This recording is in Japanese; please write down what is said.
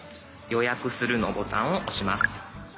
「予約する」のボタンを押します。